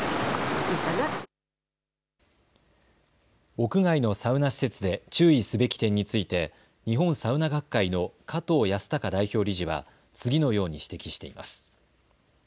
屋外のサウナ施設で注意すべき点について日本サウナ学会の加藤容崇代表理事は次のように指摘しています。